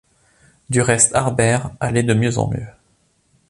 Du reste, Harbert allait de mieux en mieux.